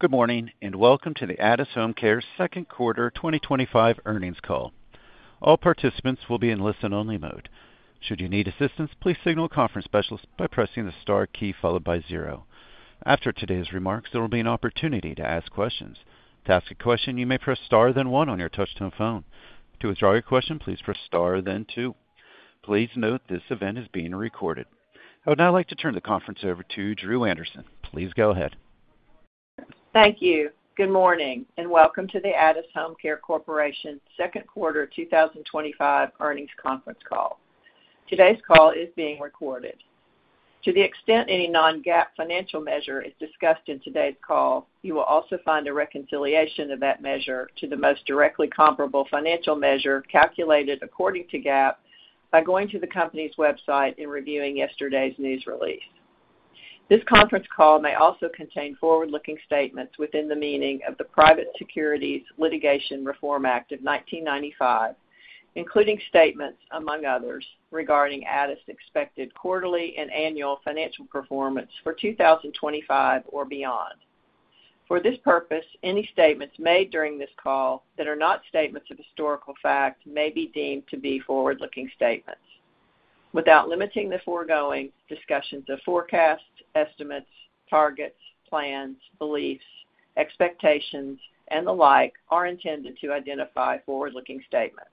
Good morning and welcome to the Addus HomeCar second quarter 2025 earnings call. All participants will be in listen-only mode. Should you need assistance, please signal a conference specialist by pressing the star key followed by zero. After today's remarks, there will be an opportunity to ask questions. To ask a question, you may press star then one on your touch-tone phone. To withdraw your question, please press star then two. Please note this event is being recorded. I would now like to turn the conference over to Dru Anderson. Please go ahead. Thank you. Good morning and welcome to the Addus HomeCare Corporation second quarter 2025 earnings conference call. Today's call is being recorded. To the extent any non-GAAP financial measure is discussed in today's call, you will also find a reconciliation of that measure to the most directly comparable financial measure calculated according to GAAP by going to the company's website and reviewing yesterday's news release. This conference call may also contain forward-looking statements within the meaning of the Private Securities Litigation Reform Act of 1995, including statements, among others, regarding Addus' expected quarterly and annual financial performance for 2025 or beyond. For this purpose, any statements made during this call that are not statements of historical fact may be deemed to be forward-looking statements. Without limiting the foregoing, discussions of forecasts, estimates, targets, plans, beliefs, expectations, and the like are intended to identify forward-looking statements.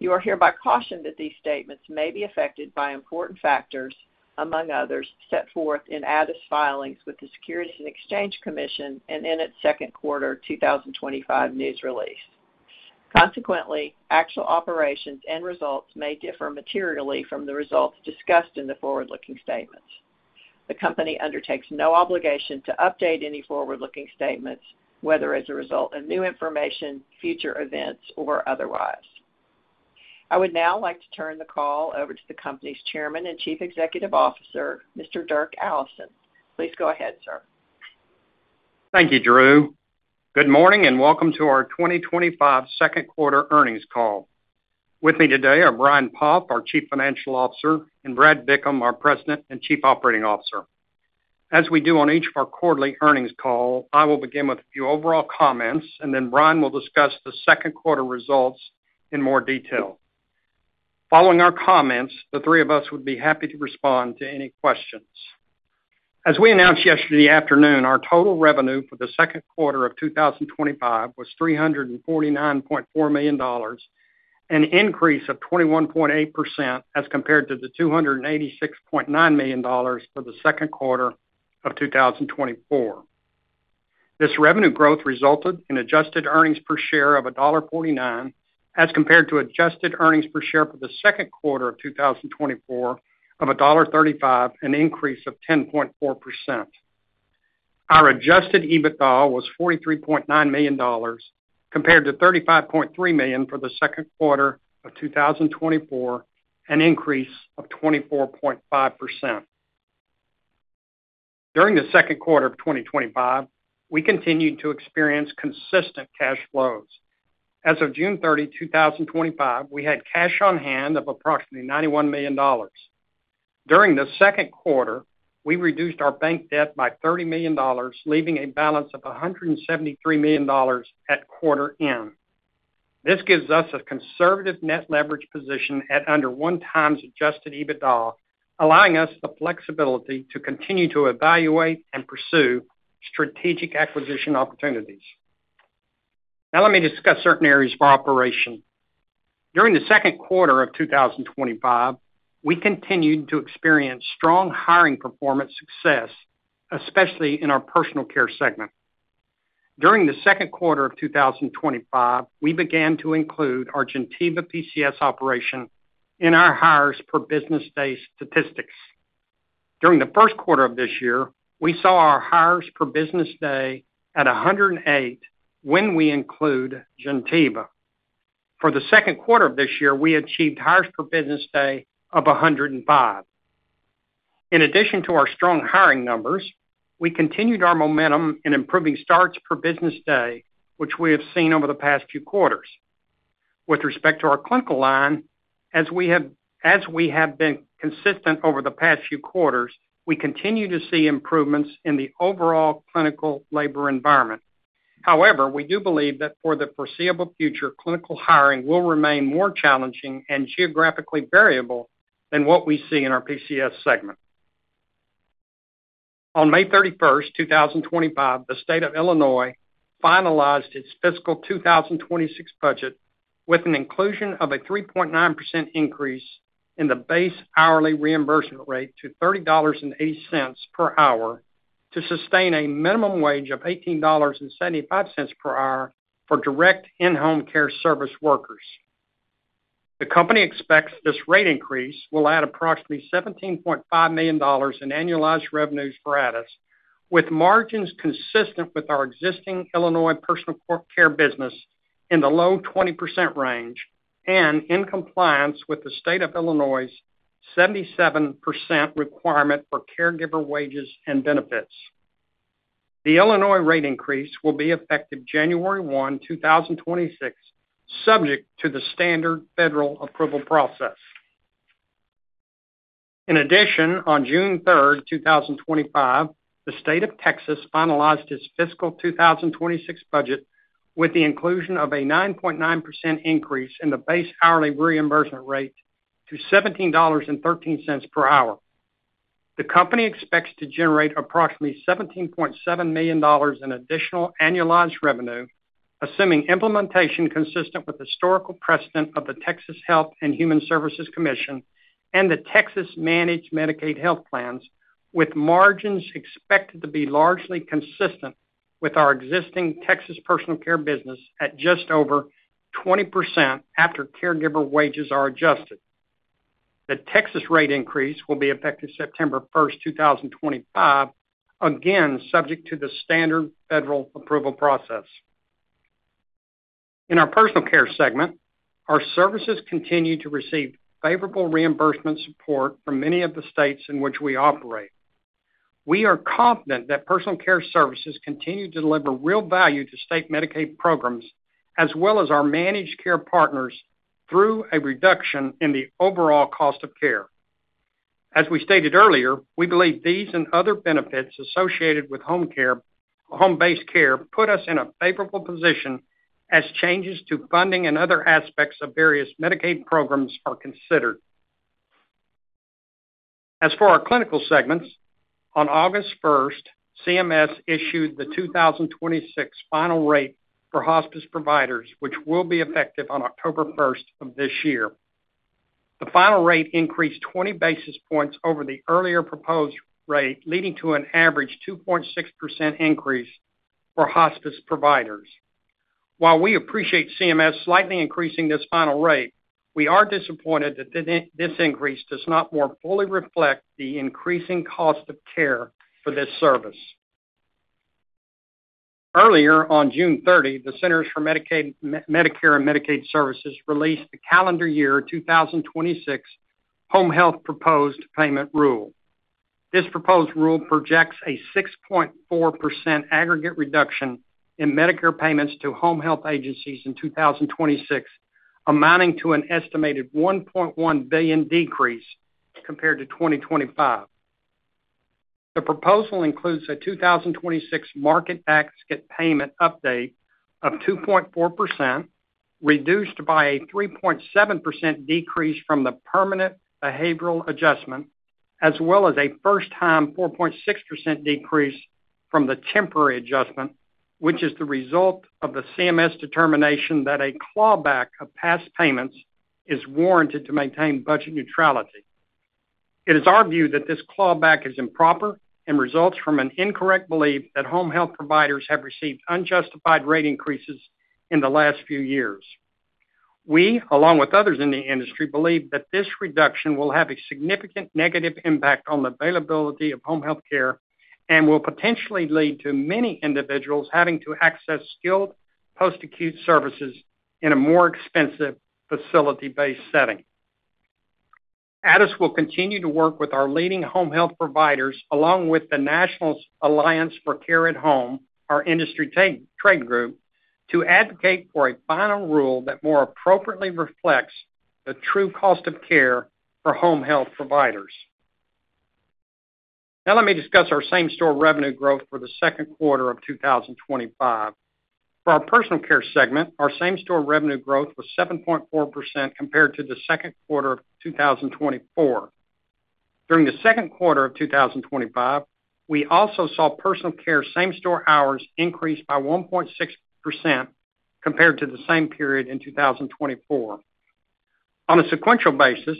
You are hereby cautioned that these statements may be affected by important factors, among others, set forth in Addus' filings with the Securities and Exchange Commission and in its second quarter 2025 news release. Consequently, actual operations and results may differ materially from the results discussed in the forward-looking statements. The company undertakes no obligation to update any forward-looking statements, whether as a result of new information, future events, or otherwise. I would now like to turn the call over to the company's Chairman and Chief Executive Officer, Mr. Dirk Allison. Please go ahead, sir. Thank you, Dru. Good morning and welcome to our 2025 second quarter earnings call. With me today are Brian Poff, our Chief Financial Officer, and Brad Bickham, our President and Chief Operating Officer. As we do on each of our quarterly earnings calls, I will begin with a few overall comments, and then Brian will discuss the second quarter results in more detail. Following our comments, the three of us would be happy to respond to any questions. As we announced yesterday afternoon, our total revenue for the second quarter of 2025 was $349.4 million, an increase of 21.8% as compared to the $286.9 million for the second quarter of 2024. This revenue growth resulted in adjusted earnings per share of $1.49 as compared to adjusted earnings per share for the second quarter of 2024 of $1.35, an increase of 10.4%. Our adjusted EBITDA was $43.9 million compared to $35.3 million for the second quarter of 2024, an increase of 24.5%. During the second quarter of 2025, we continued to experience consistent cash flows. As of June 30, 2025, we had cash on hand of approximately $91 million. During the second quarter, we reduced our bank debt by $30 million, leaving a balance of $173 million at quarter end. This gives us a conservative net leverage position at under one times adjusted EBITDA, allowing us the flexibility to continue to evaluate and pursue strategic acquisition opportunities. Now let me discuss certain areas of operation. During the second quarter of 2025, we continued to experience strong hiring performance success, especially in our personal care services segment. During the second quarter of 2025, we began to include our Geneva Personal Care Operations in our hires per business day statistics. During the first quarter of this year, we saw our hires per business day at 108 when we include Geneva. For the second quarter of this year, we achieved hires per business day of 105. In addition to our strong hiring numbers, we continued our momentum in improving starts per business day, which we have seen over the past few quarters. With respect to our clinical line, as we have been consistent over the past few quarters, we continue to see improvements in the overall clinical labor environment. However, we do believe that for the foreseeable future, clinical hiring will remain more challenging and geographically variable than what we see in our PCS segment. On May 31, 2025, the state of Illinois finalized its fiscal 2026 budget with an inclusion of a 3.9% increase in the base hourly reimbursement rate to $30.80 per hour to sustain a minimum wage of $18.75 per hour for direct in-home care service workers. The company expects this rate increase will add approximately $17.5 million in annualized revenues for Addus, with margins consistent with our existing Illinois personal care business in the low 20% range and in compliance with the state of Illinois' 77% requirement for caregiver wages and benefits. The Illinois rate increase will be effective January 1, 2026, subject to the standard federal approval process. In addition, on June 3, 2025, the state of Texas finalized its fiscal 2026 budget with the inclusion of a 9.9% increase in the base hourly reimbursement rate to $17.13 per hour. The company expects to generate approximately $17.7 million in additional annualized revenue, assuming implementation consistent with historical precedent of the Texas Health and Human Services Commission and the Texas Managed Medicaid Health Plans, with margins expected to be largely consistent with our existing Texas personal care business at just over 20% after caregiver wages are adjusted. The Texas rate increase will be effective September 1, 2025, again subject to the standard federal approval process. In our personal care segment, our services continue to receive favorable reimbursement support from many of the states in which we operate. We are confident that personal care services continue to deliver real value to state Medicaid programs, as well as our managed care partners, through a reduction in the overall cost of care. As we stated earlier, we believe these and other benefits associated with home-based care put us in a favorable position as changes to funding and other aspects of various Medicaid programs are considered. As for our clinical segments, on August 1, CMS issued the 2026 final rate for hospice providers, which will be effective on October 1 of this year. The final rate increased 20 basis points over the earlier proposed rate, leading to an average 2.6% increase for hospice providers. While we appreciate CMS slightly increasing this final rate, we are disappointed that this increase does not more fully reflect the increasing cost of care for this service. Earlier on June 30, the Centers for Medicare and Medicaid Services released the calendar year 2026 Home Health Proposed Payment Rule. This proposed rule projects a 6.4% aggregate reduction in Medicare payments to home health agencies in 2026, amounting to an estimated $1.1 billion decrease compared to 2025. The proposal includes a 2026 market basket payment update of 2.4%, reduced by a 3.7% decrease from the permanent behavioral adjustment, as well as a first-time 4.6% decrease from the temporary adjustment, which is the result of the CMS determination that a clawback of past payments is warranted to maintain budget neutrality. It is our view that this clawback is improper and results from an incorrect belief that home health providers have received unjustified rate increases in the last few years. We, along with others in the industry, believe that this reduction will have a significant negative impact on the availability of home health care and will potentially lead to many individuals having to access skilled post-acute services in a more expensive facility-based setting. Addus will continue to work with our leading home health providers, along with the National Alliance for Care at Home, our industry trade group, to advocate for a final rule that more appropriately reflects the true cost of care for home health providers. Now let me discuss our same-store revenue growth for the second quarter of 2025. For our personal care segment, our same-store revenue growth was 7.4% compared to the second quarter of 2024. During the second quarter of 2025, we also saw personal care same-store hours increase by 1.6% compared to the same period in 2024. On a sequential basis,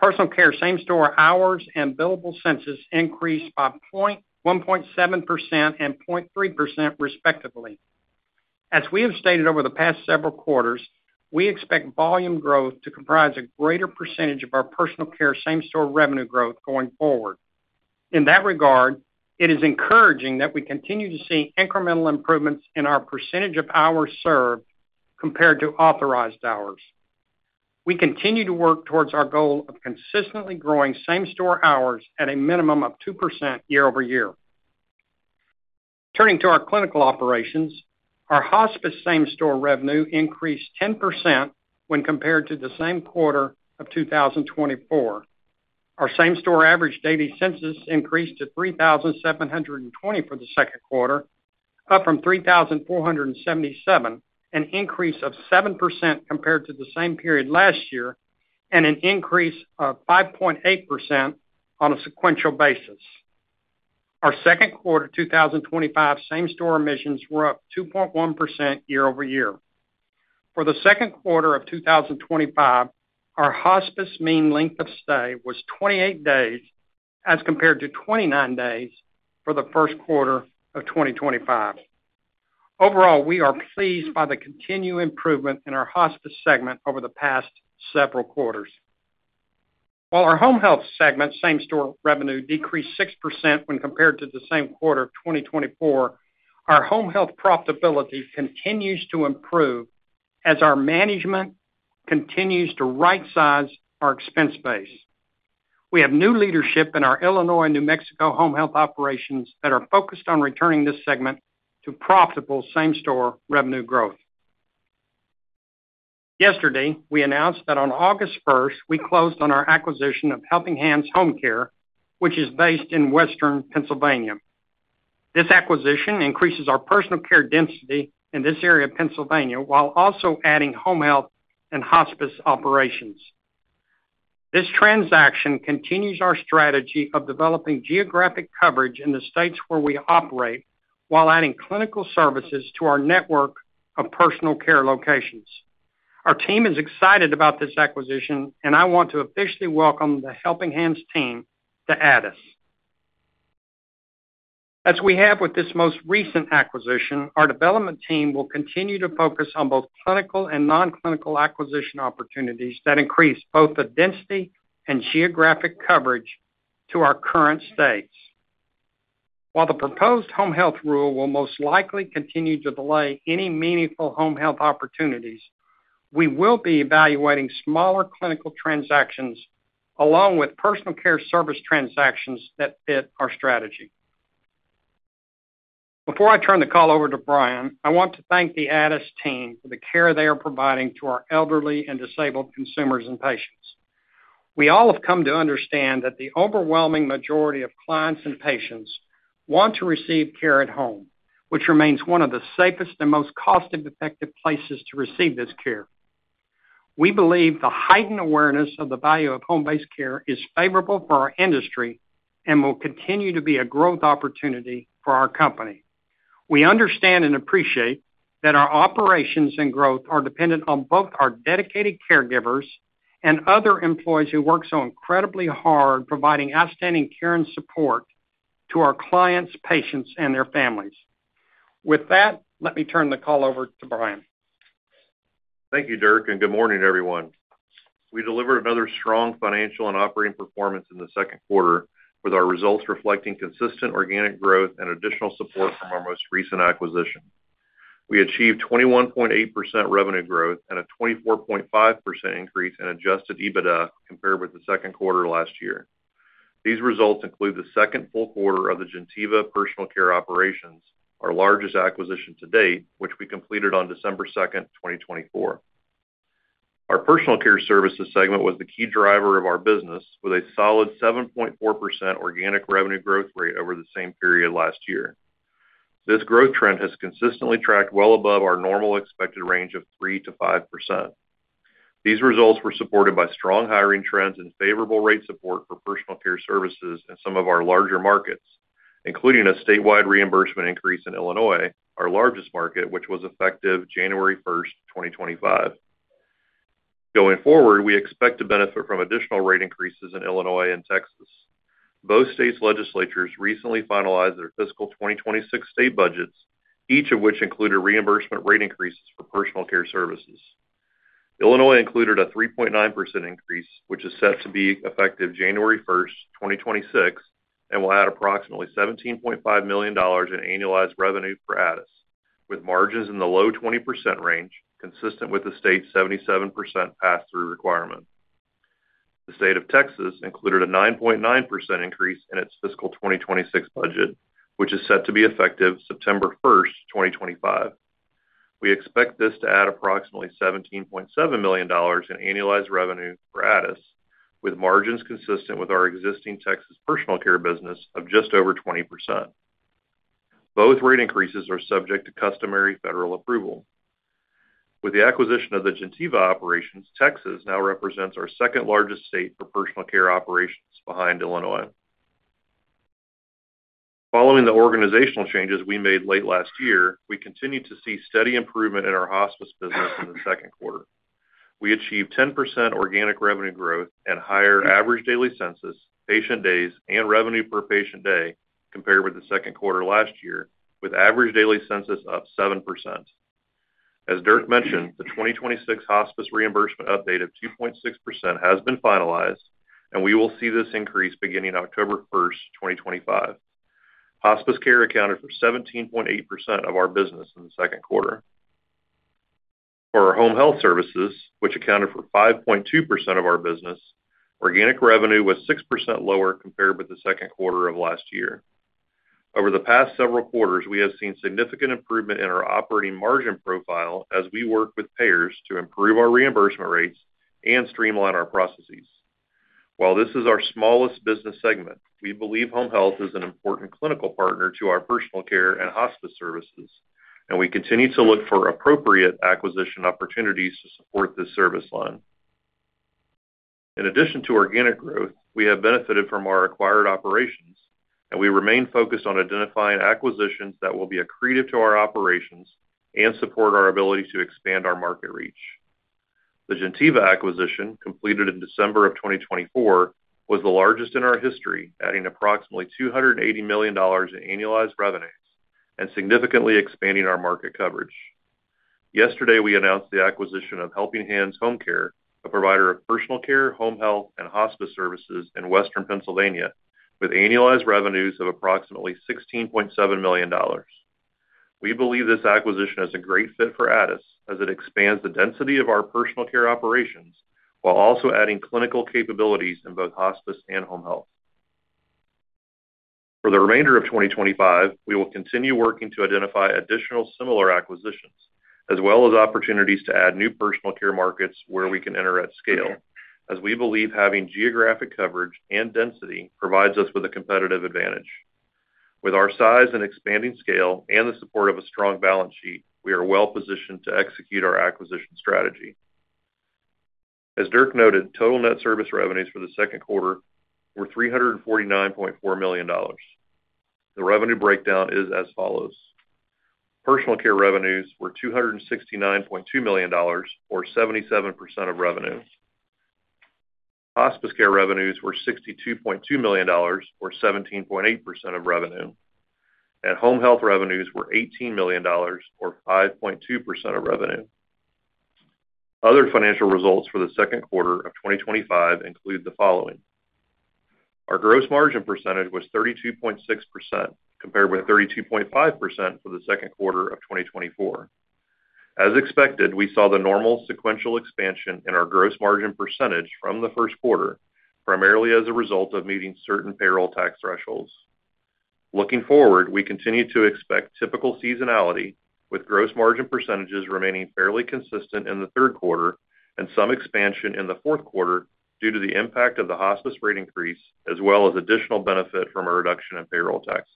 personal care same-store hours and billable census increased by 1.7% and 0.3% respectively. As we have stated over the past several quarters, we expect volume growth to comprise a greater percentage of our personal care same-store revenue growth going forward. In that regard, it is encouraging that we continue to see incremental improvements in our percentage of hours served compared to authorized hours. We continue to work towards our goal of consistently growing same-store hours at a minimum of 2% year over year. Turning to our clinical operations, our hospice same-store revenue increased 10% when compared to the same quarter of 2024. Our same-store average daily census increased to 3,720 for the second quarter, up from 3,477, an increase of 7% compared to the same period last year, and an increase of 5.8% on a sequential basis. Our second quarter 2025 same-store admissions were up 2.1% year over year. For the second quarter of 2025, our hospice mean length of stay was 28 days as compared to 29 days for the first quarter of 2025. Overall, we are pleased by the continued improvement in our hospice segment over the past several quarters. While our home health segment same-store revenue decreased 6% when compared to the same quarter of 2024, our home health profitability continues to improve as our management continues to right-size our expense base. We have new leadership in our Illinois and New Mexico home health operations that are focused on returning this segment to profitable same-store revenue growth. Yesterday, we announced that on August 1, we closed on our acquisition of Helping Hands Home Care, which is based in Western Pennsylvania. This acquisition increases our personal care density in this area of Pennsylvania while also adding home health and hospice operations. This transaction continues our strategy of developing geographic coverage in the states where we operate while adding clinical service capabilities to our network of personal care locations. Our team is excited about this acquisition, and I want to officially welcome the Helping Hands team to Addus. As we have with this most recent acquisition, our development team will continue to focus on both clinical and non-clinical acquisition opportunities that increase both the density and geographic coverage to our current states. While the proposed home health rule will most likely continue to delay any meaningful home health opportunities, we will be evaluating smaller clinical transactions along with personal care service transactions that fit our strategy. Before I turn the call over to Brian, I want to thank the Addus team for the care they are providing to our elderly and disabled consumers and patients. We all have come to understand that the overwhelming majority of clients and patients want to receive care at home, which remains one of the safest and most cost-effective places to receive this care. We believe the heightened awareness of the value of home-based care is favorable for our industry and will continue to be a growth opportunity for our company. We understand and appreciate that our operations and growth are dependent on both our dedicated caregivers and other employees who work so incredibly hard providing outstanding care and support to our clients, patients, and their families. With that, let me turn the call over to Brian. Thank you, Dirk, and good morning, everyone. We delivered another strong financial and operating performance in the second quarter, with our results reflecting consistent organic growth and additional support from our most recent acquisition. We achieved 21.8% revenue growth and a 24.5% increase in adjusted EBITDA compared with the second quarter last year. These results include the second full quarter of the Geneva Personal Care Operations, our largest acquisition to date, which we completed on December 2, 2024. Our personal care services segment was the key driver of our business, with a solid 7.4% organic revenue growth rate over the same period last year. This growth trend has consistently tracked well above our normal expected range of 3% to 5%. These results were supported by strong hiring trends and favorable rate support for personal care services in some of our larger markets, including a statewide reimbursement increase in Illinois, our largest market, which was effective January 1, 2025. Going forward, we expect to benefit from additional rate increases in Illinois and Texas. Both state legislatures recently finalized their fiscal 2026 state budgets, each of which included reimbursement rate increases for personal care services. Illinois included a 3.9% increase, which is set to be effective January 1, 2026, and will add approximately $17.5 million in annualized revenue for Addus, with margins in the low 20% range, consistent with the state's 77% pass-through requirement. The state of Texas included a 9.9% increase in its fiscal 2026 budget, which is set to be effective September 1, 2025. We expect this to add approximately $17.7 million in annualized revenue for Addus, with margins consistent with our existing Texas personal care business of just over 20%. Both rate increases are subject to customary federal approval. With the acquisition of the Geneva operations, Texas now represents our second largest state for personal care operations behind Illinois. Following the organizational changes we made late last year, we continued to see steady improvement in our hospice business in the second quarter. We achieved 10% organic revenue growth and higher average daily census, patient days, and revenue per patient day compared with the second quarter last year, with average daily census up 7%. As Dirk mentioned, the 2026 hospice reimbursement update of 2.6% has been finalized, and we will see this increase beginning October 1, 2025. Hospice care accounted for 17.8% of our business in the second quarter. For our home health services, which accounted for 5.2% of our business, organic revenue was 6% lower compared with the second quarter of last year. Over the past several quarters, we have seen significant improvement in our operating margin profile as we work with payers to improve our reimbursement rates and streamline our processes. While this is our smallest business segment, we believe home health is an important clinical partner to our personal care and hospice services, and we continue to look for appropriate acquisition opportunities to support this service line. In addition to organic growth, we have benefited from our acquired operations, and we remain focused on identifying acquisitions that will be accretive to our operations and support our ability to expand our market reach. The Geneva Personal Care Operations acquisition completed in December of 2024 was the largest in our history, adding approximately $280 million in annualized revenues and significantly expanding our market coverage. Yesterday, we announced the acquisition of Helping Hands Home Care, a provider of personal care, home health, and hospice services in Western Pennsylvania, with annualized revenues of approximately $16.7 million. We believe this acquisition is a great fit for Addus as it expands the density of our personal care operations while also adding clinical service capabilities in both hospice and home health. For the remainder of 2025, we will continue working to identify additional similar acquisitions, as well as opportunities to add new personal care markets where we can enter at scale, as we believe having geographic coverage and density provides us with a competitive advantage. With our size and expanding scale and the support of a strong balance sheet, we are well positioned to execute our acquisition strategy. As Dirk noted, total net service revenues for the second quarter were $349.4 million. The revenue breakdown is as follows. Personal care revenues were $269.2 million, or 77% of revenue. Hospice care revenues were $62.2 million, or 17.8% of revenue. Home health revenues were $18 million, or 5.2% of revenue. Other financial results for the second quarter of 2025 include the following. Our gross margin percentage was 32.6% compared with 32.5% for the second quarter of 2024. As expected, we saw the normal sequential expansion in our gross margin percentage from the first quarter, primarily as a result of meeting certain payroll tax thresholds. Looking forward, we continue to expect typical seasonality, with gross margin percentages remaining fairly consistent in the third quarter and some expansion in the fourth quarter due to the impact of the hospice rate increase, as well as additional benefit from a reduction in payroll taxes.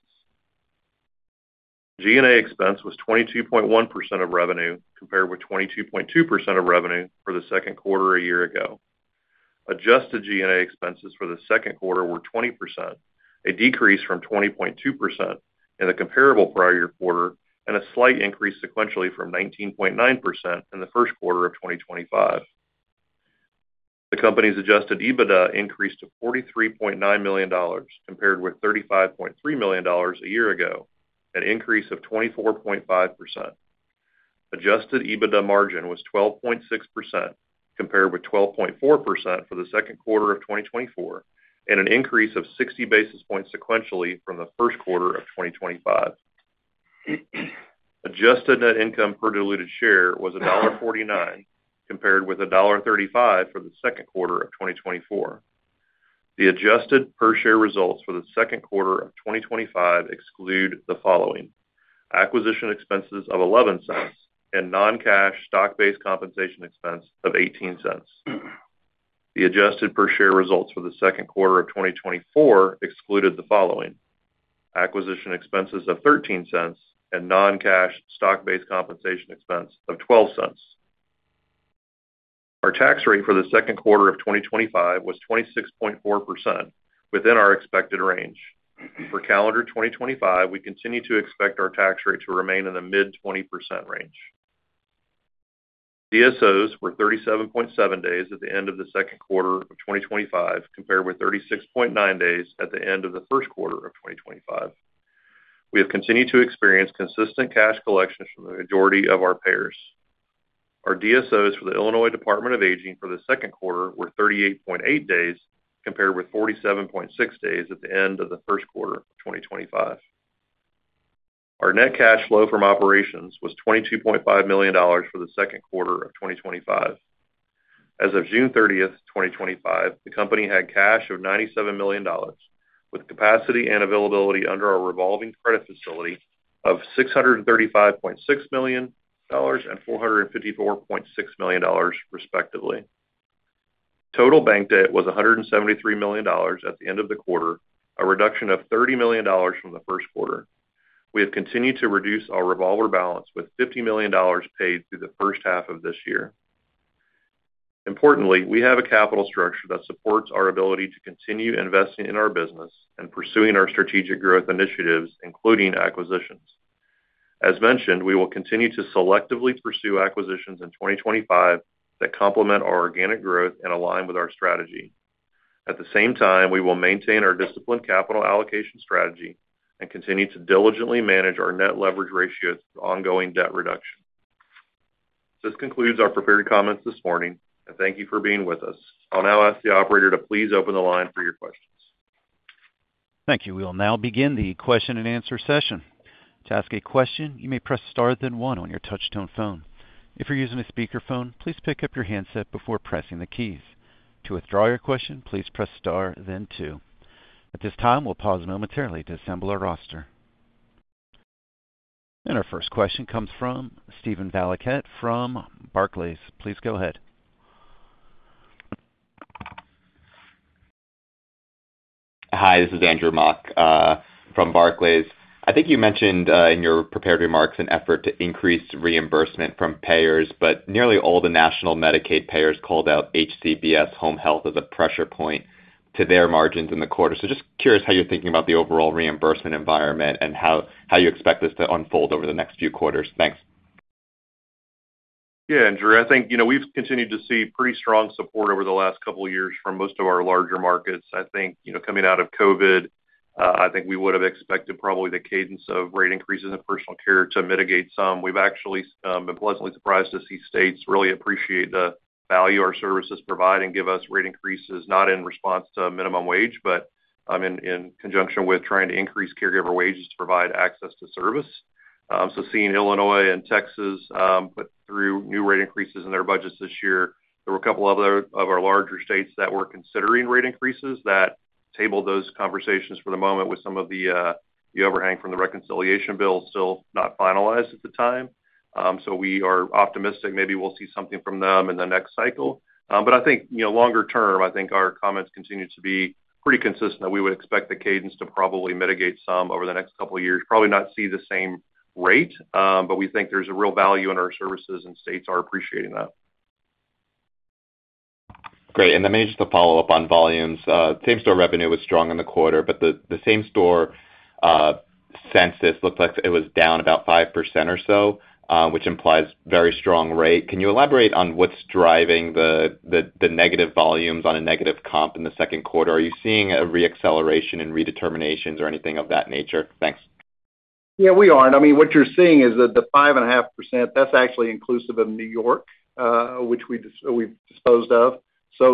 G&A expense was 22.1% of revenue compared with 22.2% of revenue for the second quarter a year ago. Adjusted G&A expenses for the second quarter were 20%, a decrease from 20.2% in the comparable prior year quarter, and a slight increase sequentially from 19.9% in the first quarter of 2025. The company's adjusted EBITDA increased to $43.9 million compared with $35.3 million a year ago, an increase of 24.5%. Adjusted EBITDA margin was 12.6% compared with 12.4% for the second quarter of 2024, and an increase of 60 basis points sequentially from the first quarter of 2025. Adjusted net income per diluted share was $1.49 compared with $1.35 for the second quarter of 2024. The adjusted per share results for the second quarter of 2025 exclude the following: acquisition expenses of $0.11 and non-cash stock-based compensation expense of $0.18. The adjusted per share results for the second quarter of 2024 excluded the following: acquisition expenses of $0.13 and non-cash stock-based compensation expense of $0.12. Our tax rate for the second quarter of 2025 was 26.4%, within our expected range. For calendar 2025, we continue to expect our tax rate to remain in the mid-20% range. DSOs were 37.7 days at the end of the second quarter of 2025 compared with 36.9 days at the end of the first quarter of 2025. We have continued to experience consistent cash collections from the majority of our payers. Our DSOs for the Illinois Department of Aging for the second quarter were 38.8 days compared with 47.6 days at the end of the first quarter of 2025. Our net cash flow from operations was $22.5 million for the second quarter of 2025. As of June 30, 2025, the company had cash of $97 million, with capacity and availability under our revolving credit facility of $635.6 million and $454.6 million, respectively. Total bank debt was $173 million at the end of the quarter, a reduction of $30 million from the first quarter. We have continued to reduce our revolver balance with $50 million paid through the first half of this year. Importantly, we have a capital structure that supports our ability to continue investing in our business and pursuing our strategic growth initiatives, including acquisitions. As mentioned, we will continue to selectively pursue acquisitions in 2025 that complement our organic growth and align with our strategy. At the same time, we will maintain our disciplined capital allocation strategy and continue to diligently manage our net leverage ratio through ongoing debt reduction. This concludes our prepared comments this morning, and thank you for being with us. I'll now ask the operator to please open the line for your questions. Thank you. We will now begin the question and answer session. To ask a question, you may press star, then one on your touch-tone phone. If you're using a speakerphone, please pick up your handset before pressing the keys. To withdraw your question, please press star, then two. At this time, we'll pause momentarily to assemble our roster. Our first question comes from Stephen Valiquette from Barclays. Please go ahead. Hi, this is Andrew Mok from Barclays. I think you mentioned in your prepared remarks an effort to increase reimbursement from payers, but nearly all the national Medicaid payers called out HCBS Home Health as a pressure point to their margins in the quarter. Just curious how you're thinking about the overall reimbursement environment and how you expect this to unfold over the next few quarters. Thanks. Yeah, Andrew, I think we've continued to see pretty strong support over the last couple of years from most of our larger markets. I think coming out of COVID, we would have expected probably the cadence of rate increases in personal care to mitigate some. We've actually been pleasantly surprised to see states really appreciate the value our services provide and give us rate increases, not in response to minimum wage, but in conjunction with trying to increase caregiver wages to provide access to service. Seeing Illinois and Texas put through new rate increases in their budgets this year, there were a couple of our larger states that were considering rate increases that tabled those conversations for the moment with some of the overhang from the reconciliation bill still not finalized at the time. We are optimistic maybe we'll see something from them in the next cycle. I think longer term, our comments continue to be pretty consistent that we would expect the cadence to probably mitigate some over the next couple of years, probably not see the same rate, but we think there's a real value in our services and states are appreciating that. Great. Maybe just a follow-up on volumes. Same-store revenue was strong in the quarter, but the same-store census looked like it was down about 5% or so, which implies very strong rate. Can you elaborate on what's driving the negative volumes on a negative comp in the second quarter? Are you seeing a re-acceleration in redeterminations or anything of that nature? Thanks. We aren't. I mean, what you're seeing is that the 5.5% is actually inclusive of New York, which we disposed of.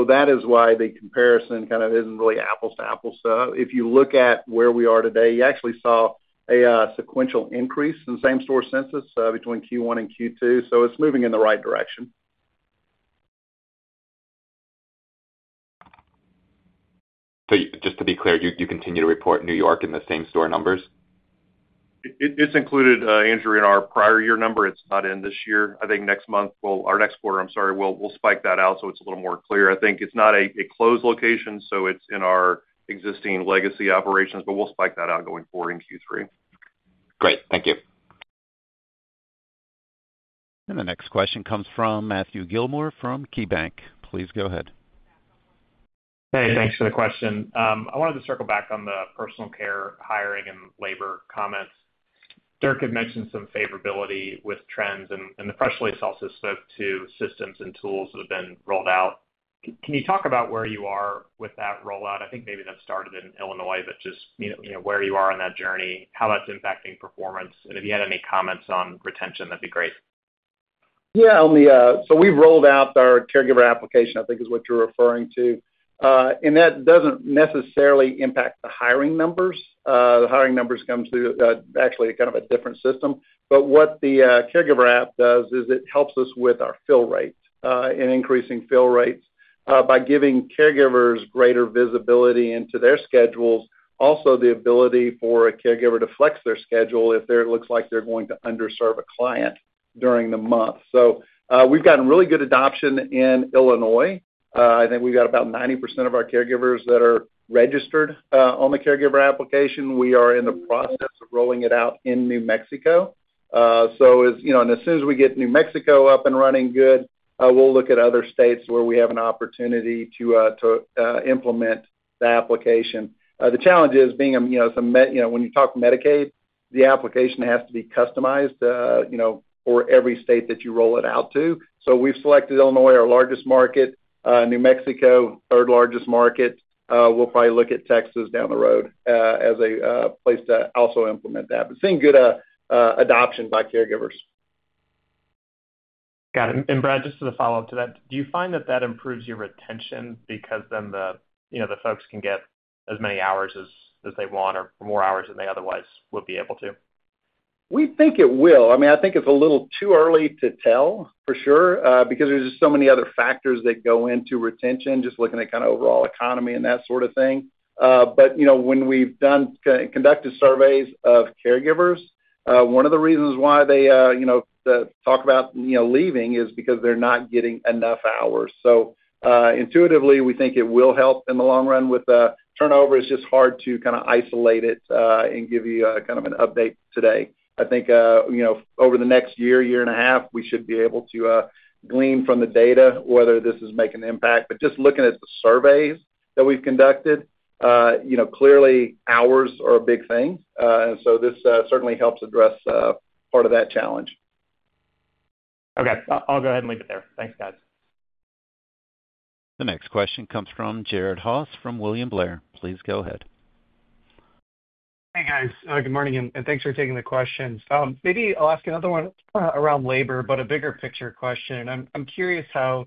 That is why the comparison kind of isn't really apples to apples. If you look at where we are today, you actually saw a sequential increase in the same-store census between Q1 and Q2. It's moving in the right direction. Just to be clear, you continue to report New York in the same-store numbers? It's included, Andrew, in our prior year number. It's not in this year. I think our next quarter, I'm sorry, we'll spike that out so it's a little more clear. I think it's not a closed location, so it's in our existing legacy operations, but we'll spike that out going forward in Q3. Great. Thank you. The next question comes from Matthew Gilmore from KeyBank. Please go ahead. Hey, thanks for the question. I wanted to circle back on the personal care hiring and labor comments. Dirk had mentioned some favorability with trends, and the press release also spoke to systems and tools that have been rolled out. Can you talk about where you are with that rollout? I think maybe that started in Illinois, but just where you are on that journey, how that's impacting performance, and if you had any comments on retention, that'd be great. Yeah, we've rolled out our caregiver application, I think is what you're referring to. That doesn't necessarily impact the hiring numbers. The hiring numbers come through actually kind of a different system. What the caregiver application does is it helps us with our fill rate and increasing fill rates by giving caregivers greater visibility into their schedules. Also, the ability for a caregiver to flex their schedule if it looks like they're going to underserve a client during the month. We've gotten really good adoption in Illinois. I think we've got about 90% of our caregivers that are registered on the caregiver application. We are in the process of rolling it out in New Mexico. As soon as we get New Mexico up and running good, we'll look at other states where we have an opportunity to implement the application. The challenge is being, you know, when you talk Medicaid, the application has to be customized for every state that you roll it out to. We've selected Illinois, our largest market, New Mexico, third largest market. We'll probably look at Texas down the road as a place to also implement that. Seeing good adoption by caregivers. Got it. Brad, just as a follow-up to that, do you find that improves your retention because the folks can get as many hours as they want or more hours than they otherwise would be able to? We think it will. I mean, I think it's a little too early to tell for sure because there's just so many other factors that go into retention, just looking at kind of overall economy and that sort of thing. When we've conducted surveys of caregivers, one of the reasons why they talk about leaving is because they're not getting enough hours. Intuitively, we think it will help in the long run with the turnover. It's just hard to kind of isolate it and give you kind of an update today. I think over the next year, year and a half, we should be able to glean from the data whether this is making an impact. Just looking at the surveys that we've conducted, clearly hours are a big thing, and this certainly helps address part of that challenge. Okay, I'll go ahead and leave it there. Thanks, guys. The next question comes from Jared Haase from William Blair. Please go ahead. Hey, guys. Good morning, and thanks for taking the questions. Maybe I'll ask another one around labor, but a bigger picture question. I'm curious how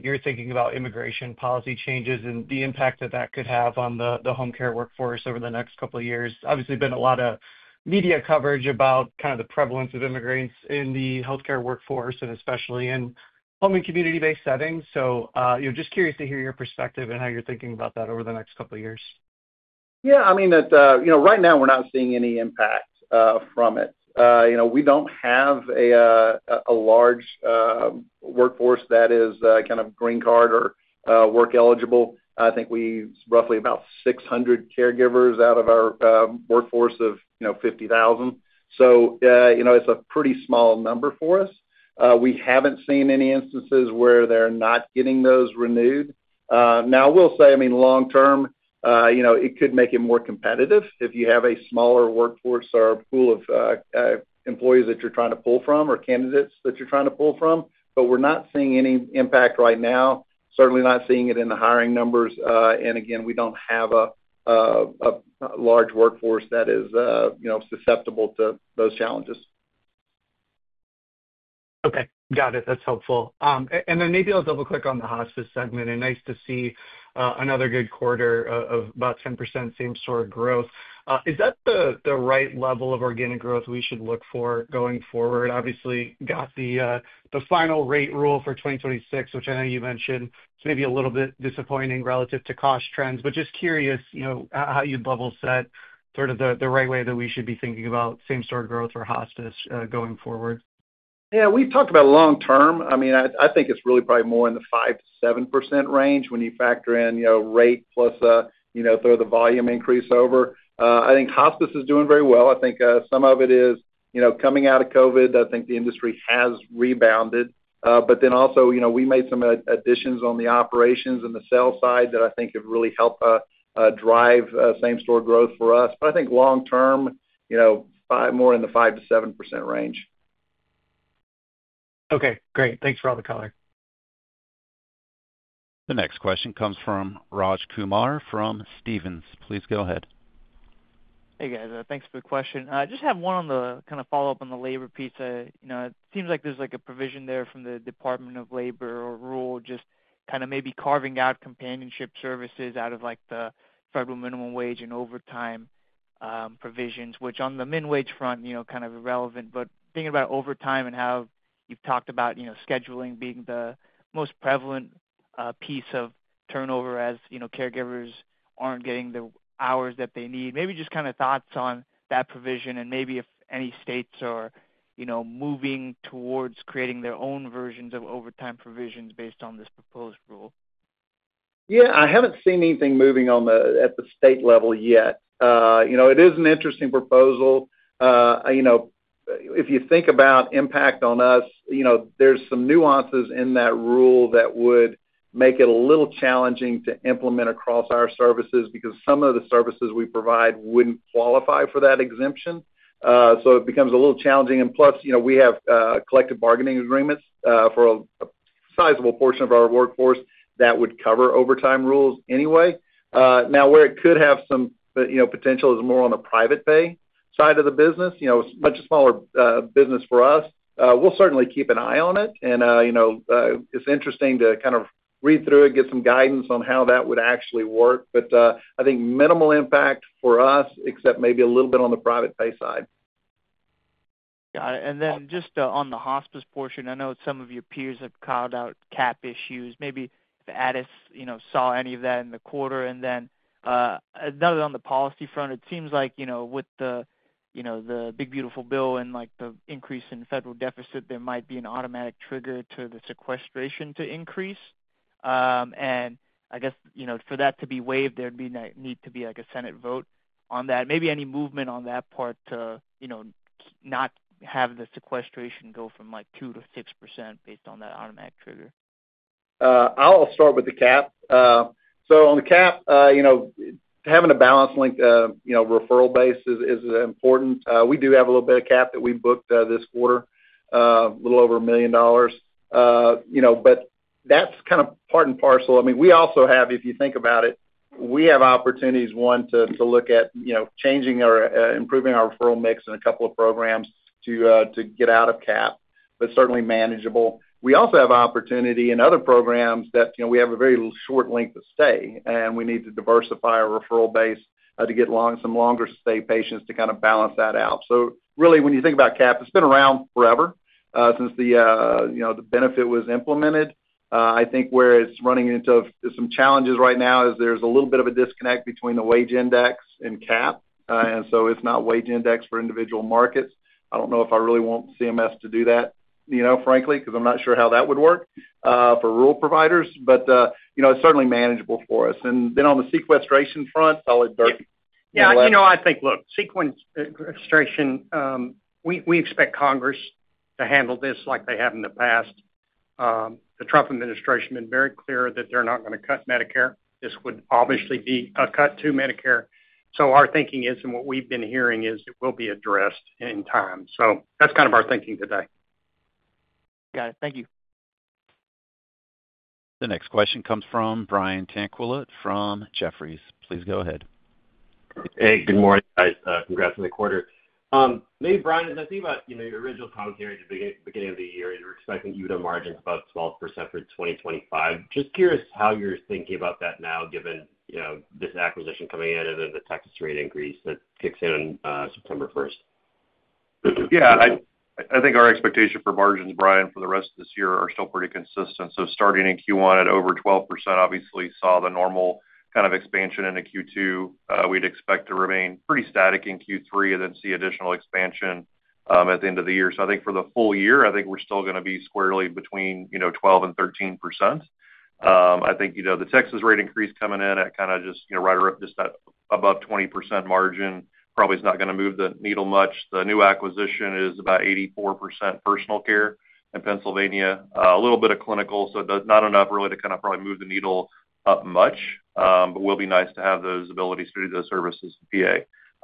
you're thinking about immigration policy changes and the impact that that could have on the home care workforce over the next couple of years. Obviously, there's been a lot of media coverage about the prevalence of immigrants in the health care workforce and especially in home and community-based settings. I'm just curious to hear your perspective and how you're thinking about that over the next couple of years. Yeah, right now we're not seeing any impact from it. We don't have a large workforce that is kind of green card or work eligible. I think we have roughly about 600 caregivers out of our workforce of 50,000. It's a pretty small number for us. We haven't seen any instances where they're not getting those renewed. I will say, long term, it could make it more competitive if you have a smaller workforce or a pool of employees that you're trying to pull from or candidates that you're trying to pull from. We're not seeing any impact right now, certainly not seeing it in the hiring numbers. Again, we don't have a large workforce that is susceptible to those challenges. Okay, got it. That's helpful. Maybe I'll double click on the hospice segment. Nice to see another good quarter of about 10% same-store growth. Is that the right level of organic growth we should look for going forward? Obviously, got the final rate rule for 2026, which I know you mentioned, it's maybe a little bit disappointing relative to cost trends, but just curious, you know, how you'd level set sort of the right way that we should be thinking about same-store growth for hospice going forward. Yeah, we talked about long term. I mean, I think it's really probably more in the 5% to 7% range when you factor in, you know, rate plus, you know, throw the volume increase over. I think hospice is doing very well. I think some of it is, you know, coming out of COVID, I think the industry has rebounded. Also, you know, we made some additions on the operations and the sell side that I think have really helped drive same-store growth for us. I think long term, you know, more in the 5% to 7% range. Okay, great. Thanks for all the color. The next question comes from Raj Kumar from Stephens. Please go ahead. Hey guys, thanks for the question. I just have one on the kind of follow-up on the labor piece. You know, it seems like there's a provision there from the Department of Labor or rule just kind of maybe carving out companionship services out of the federal minimum wage and overtime provisions, which on the minimum wage front, you know, kind of irrelevant. Thinking about overtime and how you've talked about scheduling being the most prevalent piece of turnover as caregivers aren't getting the hours that they need, maybe just kind of thoughts on that provision and maybe if any states are moving towards creating their own versions of overtime provisions based on this proposed rule. Yeah, I haven't seen anything moving at the state level yet. It is an interesting proposal, you know, If you know, u think about impact on us, there are some nuances in that rule that would make it a little challenging to implement across our services because some of the services we provide wouldn't qualify for that exemption. It becomes a little challenging. Plus, we have collective bargaining agreements for a sizable portion of our workforce that would cover overtime rules anyway. Where it could have some potential is more on the private pay side of the business, it's a much smaller business for us. We'll certainly keep an eye on it. It's interesting to kind of read through it and get some guidance on how that would actually work. I think minimal impact for us, except maybe a little bit on the private pay side. On the hospice portion, I know some of your peers have called out CAP issues. Maybe if Addus saw any of that in the quarter. Another on the policy front, it seems like with the Big Beautiful Bill and the increase in federal deficit, there might be an automatic trigger to the sequestration to increase. I guess for that to be waived, there would need to be a Senate vote on that. Maybe any movement on that part to not have the sequestration go from 2% to 6% based on that automatic trigger. I'll start with the CAP. On the CAP, having a balanced length referral base is important. We do have a little bit of CAP that we booked this quarter, a little over $1 million. That's kind of part and parcel. If you think about it, we have opportunities to look at changing or improving our referral mix in a couple of programs to get out of CAP, but certainly manageable. We also have opportunity in other programs where we have a very short length of stay, and we need to diversify our referral base to get some longer stay patients to balance that out. When you think about CAP, it's been around forever since the benefit was implemented. I think where it's running into some challenges right now is there's a little bit of a disconnect between the wage index and CAP. It's not wage index for individual markets. I don't know if I really want CMS to do that, frankly, because I'm not sure how that would work for rural providers. It's certainly manageable for us. On the sequestration front, probably Dirk. Yeah, I think, look, sequestration we expect Congress to handle this like they have in the past. The Trump administration has been very clear that they're not going to cut Medicare. This would obviously be a cut to Medicare. Our thinking is, and what we've been hearing is, it will be addressed in time, so that's kind of our thinking today. Got it. Thank you. The next question comes from Brian Tanquilut from Jefferies. Please go ahead. Hey, good morning, guys. Congrats for the quarter. It's Brian, as I think about, you know, your original talk here at the beginning of the year, you were expecting EBITDA margins above 12% for 2025. Just curious how you're thinking about that now, given, you know, this acquisition coming in and then the Texas rate increase that kicks in on September 1. Yeah, I think our expectation for margins, Brian, for the rest of this year are still pretty consistent. Starting in Q1 at over 12%, obviously saw the normal kind of expansion into Q2. We'd expect to remain pretty static in Q3 and then see additional expansion at the end of the year. I think for the full year, I think we're still going to be squarely between 12% and 13%. I think the Texas rate increase coming in at kind of just, you know, right up just that above 20% margin probably is not going to move the needle much. The new acquisition is about 84% personal care in Pennsylvania, a little bit of clinical, so not enough really to kind of probably move the needle much, but it will be nice to have those abilities to do those services for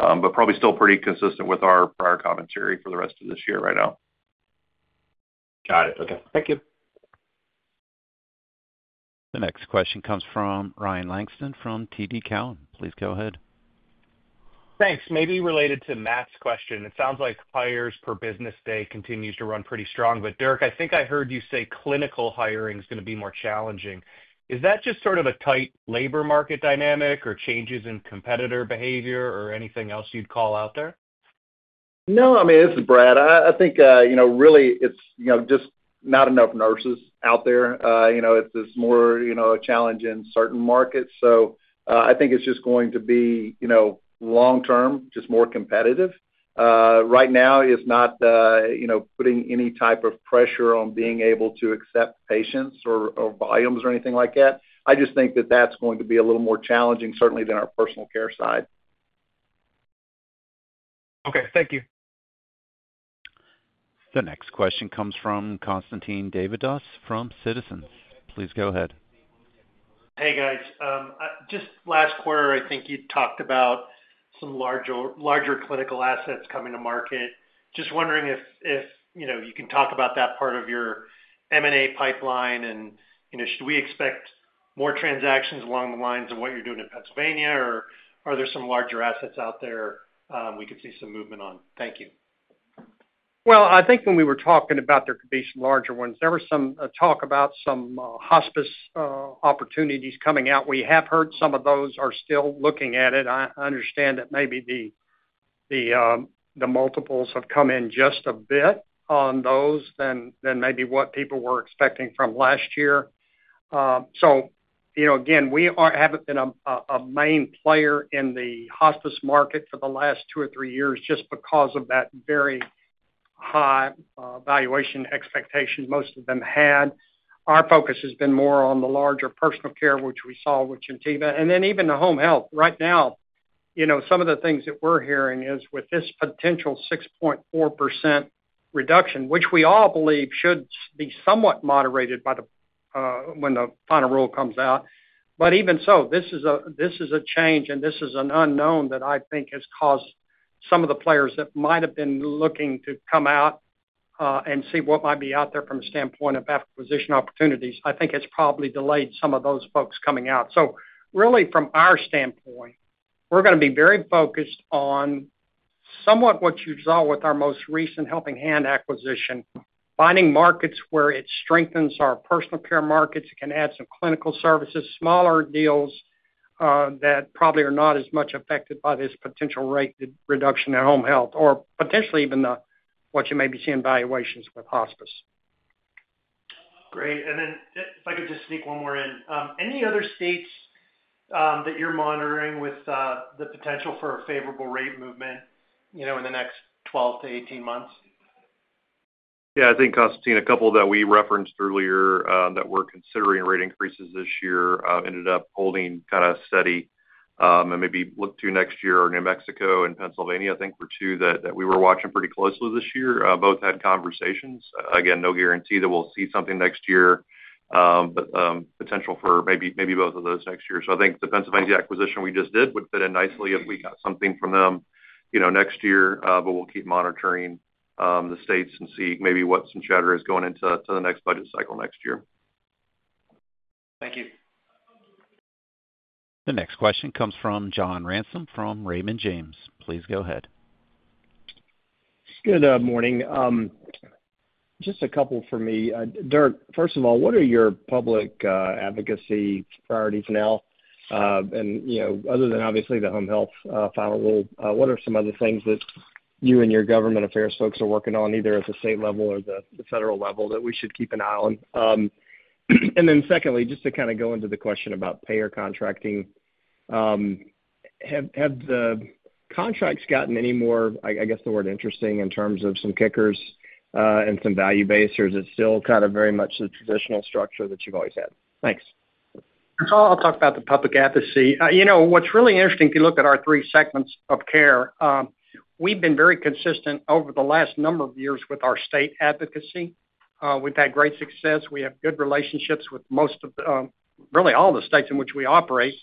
VA. Probably still pretty consistent with our prior commentary for the rest of this year right now. Got it. Okay, thank you. The next question comes from Ryan Langston from TD Cowen. Please go ahead. Thanks. Maybe related to Matt's question, it sounds like hires per business day continue to run pretty strong, but Dirk, I think I heard you say clinical hiring is going to be more challenging. Is that just sort of a tight labor market dynamic or changes in competitor behavior or anything else you'd call out there? No, I mean, this is Brad. I think it's just not enough nurses out there. It's more a challenge in certain markets. I think it's just going to be long-term, just more competitive. Right now, it's not putting any type of pressure on being able to accept patients or volumes or anything like that. I just think that that's going to be a little more challenging, certainly than our personal care side. Okay, thank you. The next question comes from Constantine Davides from Citizens. Please go ahead. Hey guys, just last quarter, I think you talked about some larger clinical assets coming to market. Just wondering if you can talk about that part of your M&A pipeline, and should we expect more transactions along the lines of what you're doing in Pennsylvania, or are there some larger assets out there we could see some movement on? Thank you. I think when we were talking about there could be some larger ones, there was some talk about some hospice opportunities coming out. We have heard some of those are still looking at it. I understand that maybe the multiples have come in just a bit on those than maybe what people were expecting from last year. You know, again, we haven't been a main player in the hospice market for the last two or three years just because of that very high valuation expectation most of them had. Our focus has been more on the larger personal care, which we saw with Geneva, and then even the home health. Right now, some of the things that we're hearing is with this potential 6.4% reduction, which we all believe should be somewhat moderated when the final rule comes out. Even so, this is a change and this is an unknown that I think has caused some of the players that might have been looking to come out and see what might be out there from a standpoint of acquisition opportunities. I think it's probably delayed some of those folks coming out. Really, from our standpoint, we're going to be very focused on somewhat what you saw with our most recent Helping Hands Home Care acquisition, finding markets where it strengthens our personal care markets. It can add some clinical service capabilities, smaller deals that probably are not as much affected by this potential rate reduction in home health or potentially even what you may be seeing in valuations with hospice. Great. If I could just sneak one more in, any other states that you're monitoring with the potential for a favorable rate movement in the next 12 to 18 months? Yeah, I think I've seen a couple that we referenced earlier that were considering rate increases this year, ended up holding kind of steady and maybe look to next year. New Mexico and Pennsylvania, I think, were two that we were watching pretty closely this year. Both had conversations. Again, no guarantee that we'll see something next year, but potential for maybe both of those next year. I think the Pennsylvania acquisition we just did would fit in nicely if we got something from them next year, but we'll keep monitoring the states and see maybe what some chatter is going into the next budget cycle next year. Thank you. The next question comes from John Ransom from Raymond James. Please go ahead. Good morning. Just a couple for me. Dirk, first of all, what are your public advocacy priorities now? You know, other than obviously the home health final rule, what are some other things that you and your government affairs folks are working on, either at the state level or the federal level, that we should keep an eye on? Secondly, just to kind of go into the question about payer contracting, have the contracts gotten any more, I guess the word interesting, in terms of some kickers and some value base, or is it still kind of very much the traditional structure that you've always had? Thanks. I'll talk about the public advocacy. You know, what's really interesting, if you look at our three segments of care, we've been very consistent over the last number of years with our state advocacy. We've had great success. We have good relationships with most of the, really all the states in which we operate.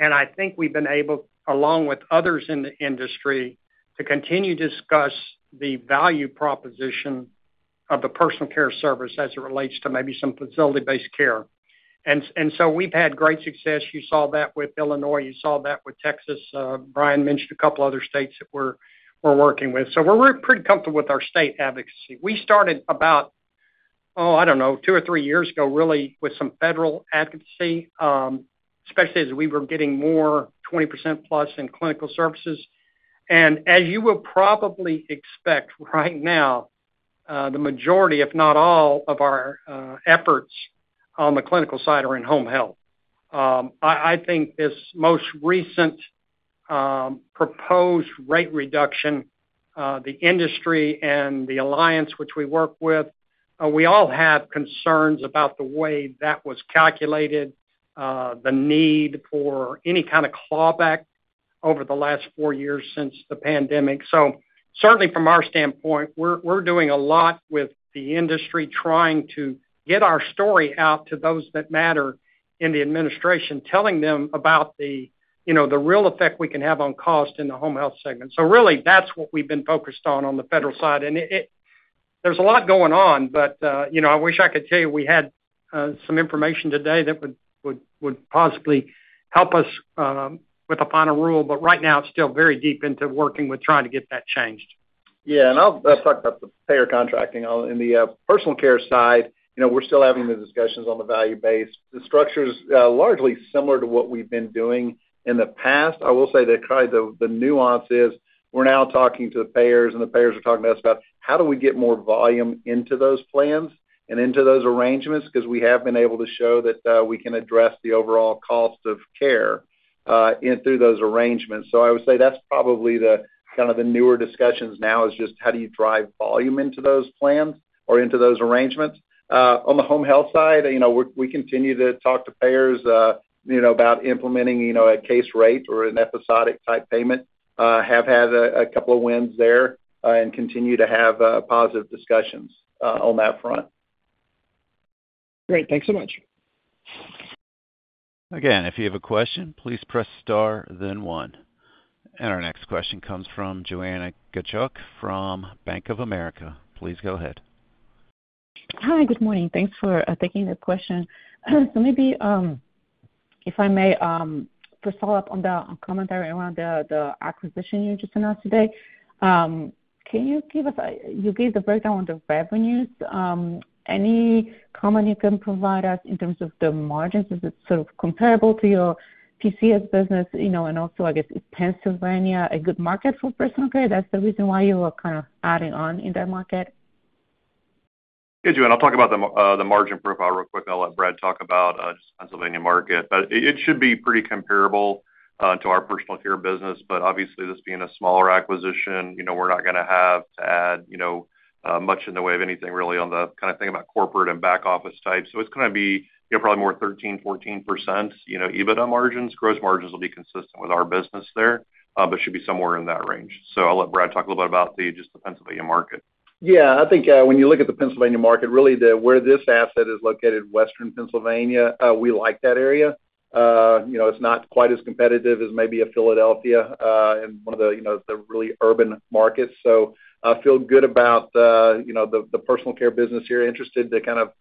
I think we've been able, along with others in the industry, to continue to discuss the value proposition of the personal care service as it relates to maybe some facility-based care. We've had great success, you saw that with Illinois, you saw that with Texas. Brian mentioned a couple other states that we're working with. We're pretty comfortable with our state advocacy. We started about, I don't know, two or three years ago, really, with some federal advocacy, especially as we were getting more 20% plus in clinical services. As you will probably expect right now, the majority, if not all, of our efforts on the clinical side are in home health. I think this most recent proposed rate reduction, the industry and the alliance which we work with, we all have concerns about the way that was calculated, the need for any kind of clawback over the last four years since the pandemic. Certainly from our standpoint, we're doing a lot with the industry trying to get our story out to those that matter in the administration, telling them about the real effect we can have on cost in the home health segment. That's what we've been focused on on the federal side. There's a lot going on, but I wish I could tell you we had some information today that would possibly help us with the final rule, but right now it's still very deep into working with trying to get that changed. Yeah, I'll talk about the payer contracting on the personal care side. We're still having the discussions on the value base. The structure is largely similar to what we've been doing in the past. I will say that probably the nuance is we're now talking to the payers and the payers are talking to us about how do we get more volume into those plans and into those arrangements because we have been able to show that we can address the overall cost of care through those arrangements. I would say that's probably the kind of the newer discussions now, just how do you drive volume into those plans or into those arrangements. On the home health side, we continue to talk to payers about implementing a case rate or an episodic type payment. Have had a couple of wins there and continue to have positive discussions on that front. Great, thanks so much. If you have a question, please press star, then one. Our next question comes from Joanna Gajuk from Bank of America. Please go ahead. Hi, good morning. Thanks for taking the question. Maybe if I may, first, follow up on the commentary around the acquisition you just announced today. Can you give us, you gave the breakdown on the revenues. Any comment you can provide us in terms of the margins? Is it sort of comparable to your PCS business, you know, and also, I guess, is Pennsylvania a good market for personal care? That's the reason why you were kind of adding on in that market. Yeah, Joanna, I'll talk about the margin profile real quick. I'll let Brad talk about the Pennsylvania market. It should be pretty comparable to our personal care business. Obviously, this being a smaller acquisition, we're not going to have to add much in the way of anything really on the kind of thing about corporate and back office type. It's going to be probably more 13, 14% EBITDA margins. Gross margins will be consistent with our business there, but it should be somewhere in that range. I'll let Brad talk a little bit about just the Pennsylvania market. Yeah, I think when you look at the Pennsylvania market, really where this asset is located, Western Pennsylvania, we like that area. It's not quite as competitive as maybe a Philadelphia and one of the really urban markets. I feel good about the personal care business here, interested to kind of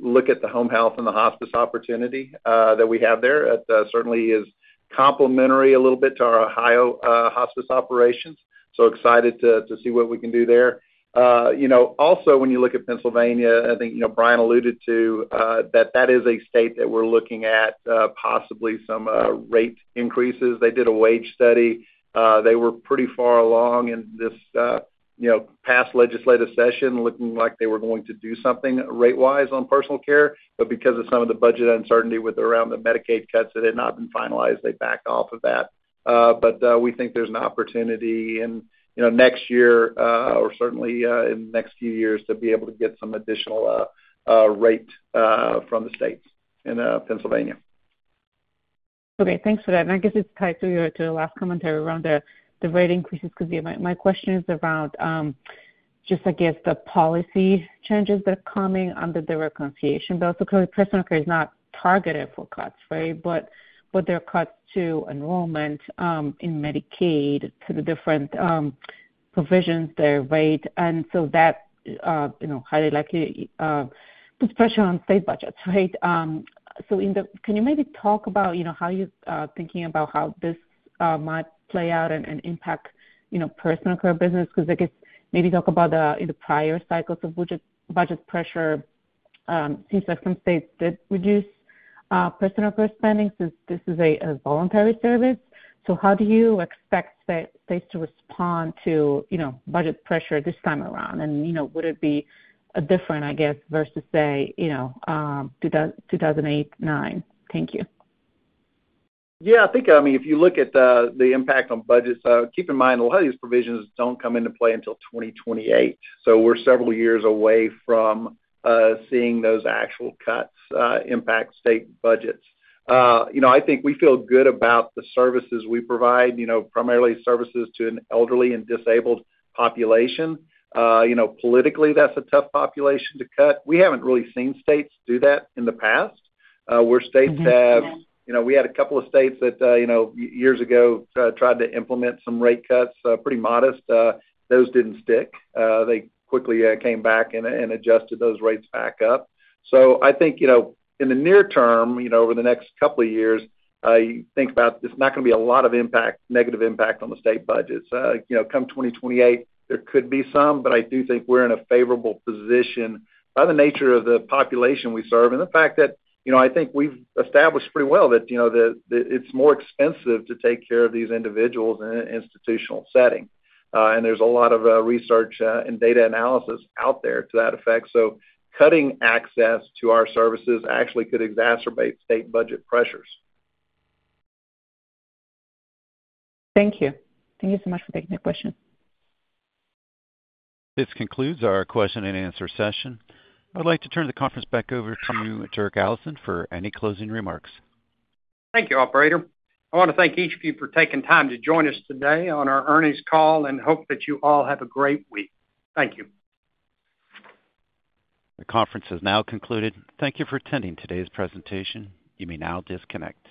look at the home health and the hospice opportunity that we have there. It certainly is complementary a little bit to our Ohio hospice operations. Excited to see what we can do there. Also, when you look at Pennsylvania, I think Brian alluded to that that is a state that we're looking at possibly some rate increases. They did a wage study. They were pretty far along in this past legislative session, looking like they were going to do something rate-wise on personal care. Because of some of the budget uncertainty with around the Medicaid cuts that had not been finalized, they backed off of that. We think there's an opportunity in next year or certainly in the next few years to be able to get some additional rate from the states in Pennsylvania. Okay, thanks for that. I guess it ties to your last commentary around the rate increases because my question is around just, I guess, the policy changes that are coming under the reconciliation. Also, clearly, personal care is not targeted for cuts, right? There are cuts to enrollment in Medicaid through different provisions there, right? That, you know, highly likely puts pressure on state budgets, right? In the, can you maybe talk about, you know, how you're thinking about how this might play out and impact, you know, personal care business? I guess maybe talk about the prior cycles of budget pressure. It seems like some states did reduce personal care spending since this is a voluntary service. How do you expect states to respond to, you know, budget pressure this time around? Would it be different, I guess, versus, say, 2008, 2009? Thank you. Yeah, I think, I mean, if you look at the impact on budgets, keep in mind a lot of these provisions don't come into play until 2028. We're several years away from seeing those actual cuts impact state budgets. I think we feel good about the services we provide, primarily services to an elderly and disabled population. Politically, that's a tough population to cut. We haven't really seen states do that in the past. Where states have, we had a couple of states that years ago tried to implement some rate cuts, pretty modest, those didn't stick. They quickly came back and adjusted those rates back up. I think in the near term, over the next couple of years, I think about it's not going to be a lot of impact, negative impact on the state budgets. Come 2028, there could be some, but I do think we're in a favorable position by the nature of the population we serve and the fact that I think we've established pretty well that it's more expensive to take care of these individuals in an institutional setting. There's a lot of research and data analysis out there to that effect. Cutting access to our services actually could exacerbate state budget pressures. Thank you. Thank you so much for taking the question. This concludes our question and answer session. I'd like to turn the conference back over to you, Dirk Allison, for any closing remarks. Thank you, operator. I want to thank each of you for taking time to join us today on our earnings call and hope that you all have a great week. Thank you. The conference has now concluded. Thank you for attending today's presentation, you may now disconnect.